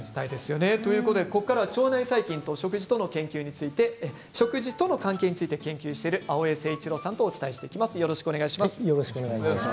ここからは腸内細菌と食事との関係について研究している青江誠一郎さんとお伝えしていきます。